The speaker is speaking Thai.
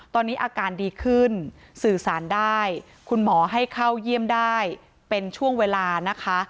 ตอนนี้อาการดีขึ้นสื่อสารได้คุณหมอให้เข้าเยี่ยมได้เป็นช่วงเวลานะคะ